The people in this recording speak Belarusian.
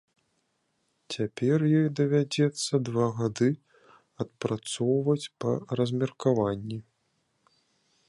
Цяпер ёй давядзецца два гады адпрацоўваць па размеркаванні.